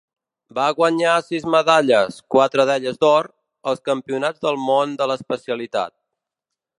Va guanyar sis medalles, quatre d'elles d'or, als Campionats del Món de l'especialitat.